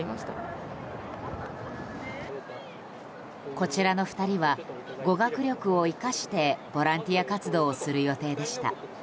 こちらの２人は語学力を生かしてボランティア活動をする予定でした。